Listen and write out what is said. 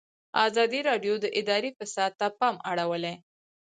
ازادي راډیو د اداري فساد ته پام اړولی.